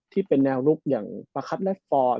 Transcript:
ที่เป็นแนวลุกอย่างประคับแลตฟอร์ม